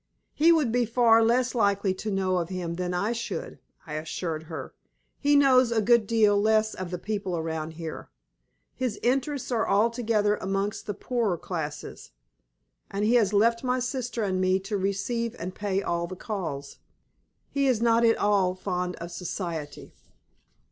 "He would be far less likely to know of him than I should," I assured her. "He knows a good deal less of the people around here. His interests are altogether amongst the poorer classes. And he has left my sister and me to receive and pay all the calls. He is not at all fond of society."